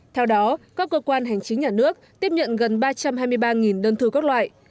theo đó các cơ quan hành chính nhà nước tiếp nhận gần ba trăm hai mươi ba đơn thư các loại